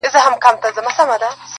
د خدای لپاره په ژړه نه کيږي ..